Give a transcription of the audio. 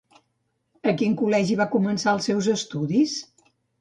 A quin col·legi va començar els seus estudis?